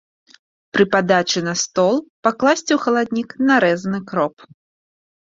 Пры падачы на стол пакласці ў халаднік нарэзаны кроп.